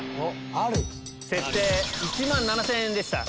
設定１万７０００円でした。